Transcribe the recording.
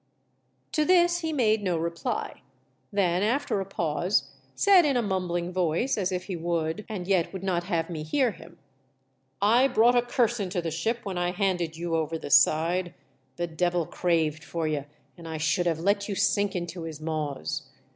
To this he made no reply, then after a pause, said in a mumbling voice as if he would, and yet would not have me hear him, " I brought a curse into the ship when I handed you over the side ; the devil craved for ye, and I should have let you sink into his maws.